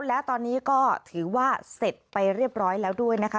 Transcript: และตอนนี้ก็ถือว่าเสร็จไปเรียบร้อยแล้วด้วยนะคะ